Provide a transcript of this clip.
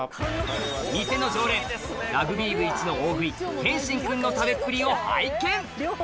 店の常連ラグビー部いちの大食い賢進くんの食べっぷりを拝見！